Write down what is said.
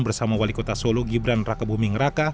bersama wali kota solo gibran rakebuming raka